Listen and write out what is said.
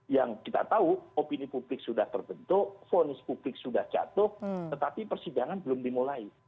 yang kita tahu opini publik sudah terbentuk vonis publik sudah jatuh tetapi persidangan belum dimulai